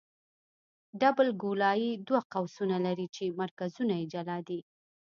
ډبل ګولایي دوه قوسونه لري چې مرکزونه یې جلا دي